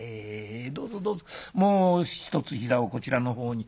どうぞどうぞもう一つ膝をこちらの方に」。